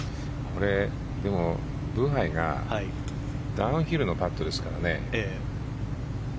これ、でも、ブハイがダウンヒルのパットですからね。